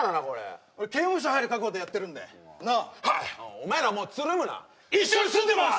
お前らもうツルむな一緒に住んでます！